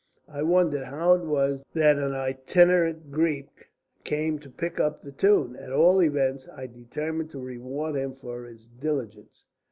I wondered how it was that an itinerant Greek came to pick up the tune. At all events, I determined to reward him for his diligence.